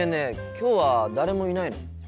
今日は誰もいないの？